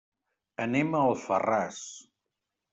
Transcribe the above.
Anem a Alfarràs.